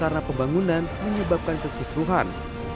karena pembangunan menyebabkan kekisruhan